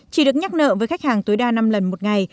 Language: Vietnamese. chỉ được nhắc nợ với khách hàng tối đa năm lần một ngày